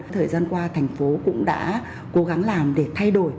thời gian qua thành phố cũng đã cố gắng làm để thay đổi